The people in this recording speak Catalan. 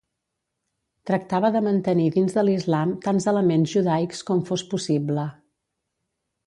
Tractava de mantenir dins de l'islam tants elements judaics com fos possible.